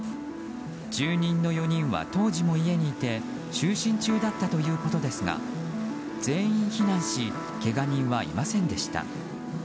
住人の４人は当時も家にいて就寝中だったということですが全員避難しけが人はいませんでした。